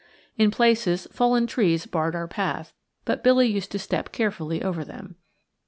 In places, fallen trees barred our path, but Billy used to step carefully over them.